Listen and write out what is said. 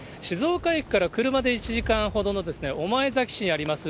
静岡駅から車で１時間ほどの御前崎市にあります